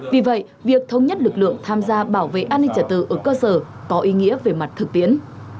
vì vậy việc thống nhất lực lượng tham gia bảo vệ an ninh trả tự ở cơ sở có ý nghĩa về mặt thực tiễn